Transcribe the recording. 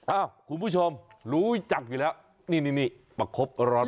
คุณผู้ชมรู้จักอยู่แล้วนี่นี่ประคบร้อน